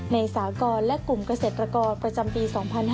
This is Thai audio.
สากรและกลุ่มเกษตรกรประจำปี๒๕๕๙